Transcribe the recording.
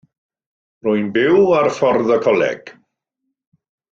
Rwy'n byw ar Ffordd y Coleg.